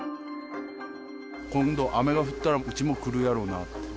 今度、雨が降ったら、うちも来るやろうなと。